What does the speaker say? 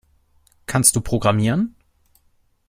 Kannst du programmieren?